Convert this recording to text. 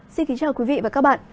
xin kính chào quý vị và các bạn